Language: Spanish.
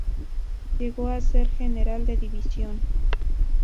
Llegó a ser general de división.